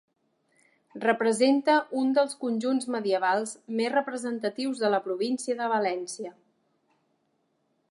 Representa un dels conjunts medievals més representatius de la província de València.